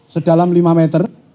sedalam lima meter